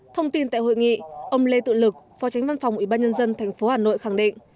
thông tin tại hội nghị ông lê tự lực phó tránh văn phòng ubnd tp hà nội khẳng định